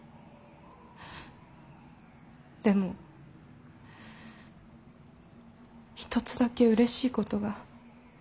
でも一つだけうれしいことが。